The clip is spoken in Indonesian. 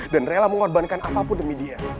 dan rela mengorbankan apapun demi dia